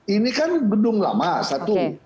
ini kan gedung lama satu